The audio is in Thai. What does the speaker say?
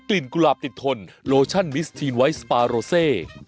กุหลาบติดทนโลชั่นมิสทีนไวท์สปาโรเซ